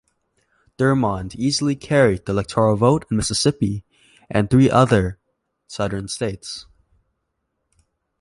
Thurmond easily carried the electoral vote in Mississippi and three other southern states.